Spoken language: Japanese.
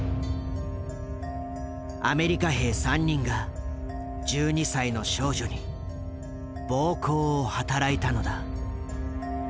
アメリカ兵３人が１２歳の少女に暴行を働いたのだ。